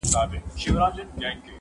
له زړې بوډۍ لکړي مي شرمېږم!!